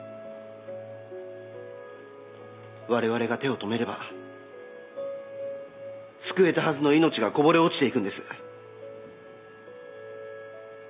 われわれが手を止めれば救えたはずの命がこぼれ落ちていくんです。